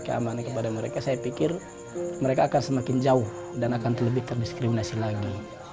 keamanan kepada mereka saya pikir mereka akan semakin jauh dan akan lebih terdiskriminasi lagi